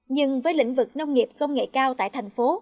nhưng với lĩnh vực nông nghiệp công nghệ cao tại thành phố